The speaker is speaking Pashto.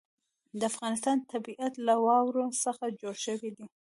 د افغانستان طبیعت له واوره څخه جوړ شوی دی.